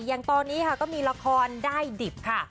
อย่างตอนนี้ค่ะก็มีละครได้ดิบค่ะ